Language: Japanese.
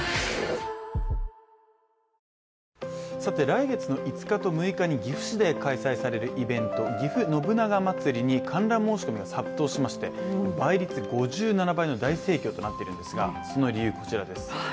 来月の５日と６日に岐阜市で開催されるイベントぎふ信長まつりに観覧申し込みが殺到しまして倍率５７倍の大盛況となっているんですがその理由、こちらです。